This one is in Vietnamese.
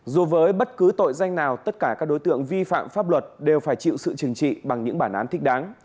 dù với bất cứ tội danh nào tất cả các đối tượng vi phạm pháp luật đều phải chịu sự trừng trị bằng những bản án thích đáng